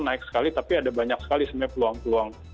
naik sekali tapi ada banyak sekali sebenarnya peluang peluang